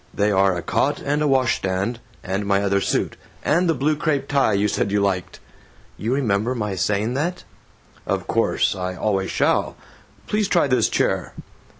They are a cot and a wash stand and my other suit and the blue crepe tie you said you liked." "You remember my saying that?" "Of course. I always shall. Please try this chair."